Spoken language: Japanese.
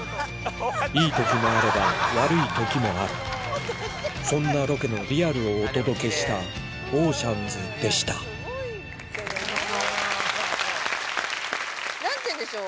いいときもあれば悪いときもあるそんなロケのリアルをお届けした「オーシャンズ」でした何ていうんでしょう？